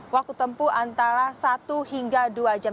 waktu tempuh antara satu hingga dua jam